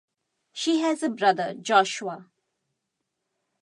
She has a brother, Joshua.